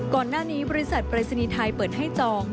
ก่อนหน้านี้บริษัทปริศนิทัยเปิดให้จอง